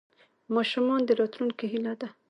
ماشومان د راتلونکي هیله ده.